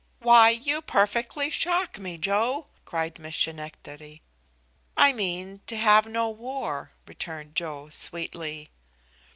"Why, you perfectly shock me, Joe," cried Miss Schenectady. "I mean, to have no war," returned Joe, sweetly.